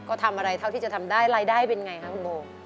ก็ทำอะไรเท่าที่จะถ่ายได้รายได้เป็นอย่างไรค่ะบ่ง